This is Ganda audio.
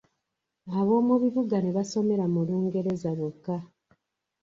Ab'omu bibuga ne basomera mu Lungereza lwokka.